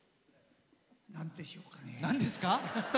なんでしょうかね。